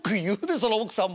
その奥さんも。